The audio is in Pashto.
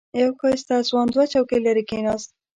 یو ښایسته ځوان دوه چوکۍ لرې کېناست.